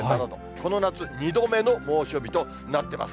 この夏、２度目の猛暑日となってます。